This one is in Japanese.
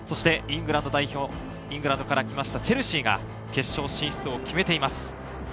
イングランド代表、イングランドから来ましたチェルシーが決勝進出を決めています。